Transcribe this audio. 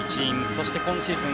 そして、今シーズン